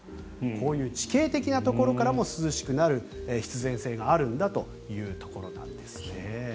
こうした地形的なところからも涼しくなる必然性があるんだというところなんですね。